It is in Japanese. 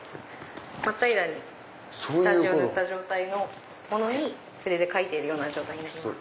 真っ平らに下地を塗ったものに筆で描いているような状態になります。